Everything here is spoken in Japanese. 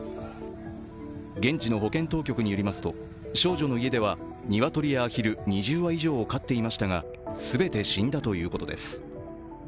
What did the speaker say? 現地の保健当局によりますと、少女の家では鶏やアヒル２０羽以上を飼っていましたが、全て死んだということです